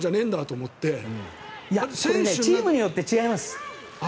これはチームによって違います。